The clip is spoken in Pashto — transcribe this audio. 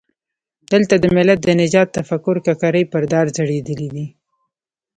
دلته د ملت د نجات تفکر ککرۍ پر دار ځړېدلي دي.